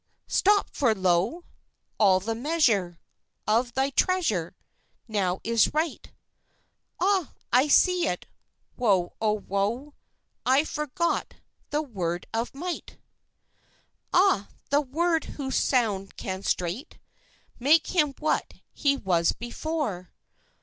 "Stop, for, lo! All the measure Of thy treasure Now is right! Ah, I see it! woe, oh, woe! I forget the word of might. "Ah, the word whose sound can straight Make him what he was before!